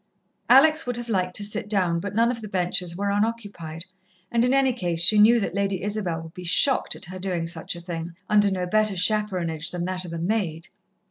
Alex would have liked to sit down, but none of the benches were unoccupied, and, in any case, she knew that Lady Isabel would be shocked at her doing such a thing, under no better chaperonage than that of a maid.